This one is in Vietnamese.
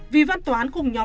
vì văn toán cùng nhóm